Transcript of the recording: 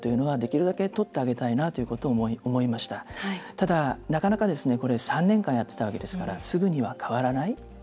ただ、なかなか３年間やってたわけですからすぐには変わらない。